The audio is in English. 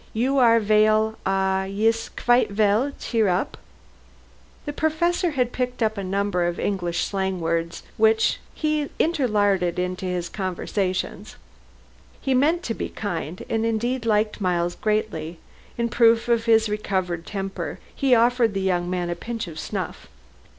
You are veil ah, yis quite veil cheerup." The Professor had picked up a number of English slang words with which he interlarded his conversation. He meant to be kind, and indeed liked Miles greatly. In proof of his recovered temper, he offered the young man a pinch of snuff.